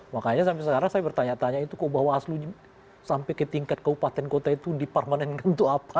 makanya sampai sekarang saya bertanya tanya itu keubah waslu sampai ke tingkat keupatan kota itu diparmanenkan untuk apa